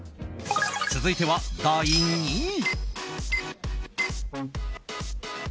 続いては第２位。